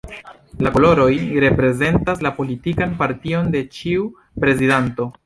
La koloroj reprezentas la politikan partion de ĉiu prezidanto.